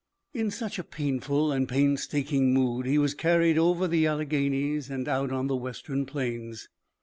In such a painful and painstaking mood he was carried over the Alleghenies and out on the Western plains.